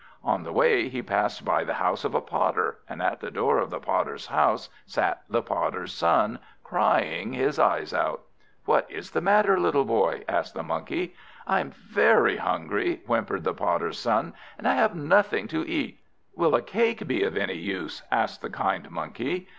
On the way, he passed by the house of a Potter; and at the door of the Potter's house sat the Potter's son, crying his eyes out. "What is the matter, little boy?" asked the Monkey. "I am very hungry," whimpered the Potter's son, "and I have nothing to eat." "Will a cake be of any use?" asked the kind Monkey.